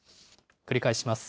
繰り返します。